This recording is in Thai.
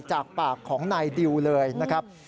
จากปากของนายดิวเลยนะครับ